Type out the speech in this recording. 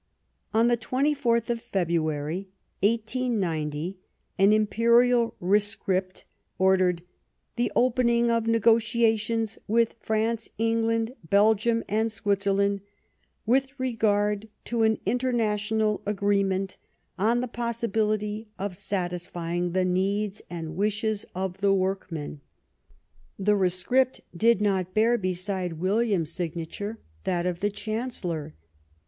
On the 24th of February, 1890, an Im.perial Rescript ordered " the opening of negotiations with France, England, Belgium and Switzerland, with regard to an International agreement on the pos sibility of satisfying the needs and wishes of the workmen." 228 Last Fights The Rescript did not bear, beside William's sig nature, that of the Chancellor.